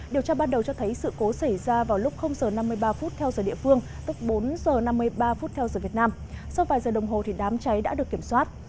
điều tra ban đầu cho thấy sự cố xảy ra vào lúc giờ năm mươi ba phút theo giờ địa phương tức bốn h năm mươi ba phút theo giờ việt nam sau vài giờ đồng hồ đám cháy đã được kiểm soát